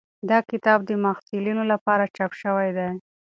دا کتاب د محصلینو لپاره چاپ شوی دی.